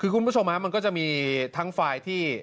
คือคุณผู้ชมมันก็จะมีทั้งฝ่ายที่